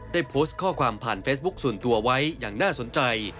ได้โพสต์ข้อความผ่านเฟซบุ๊คส่วนตัวไว้อย่างน่าสนใจ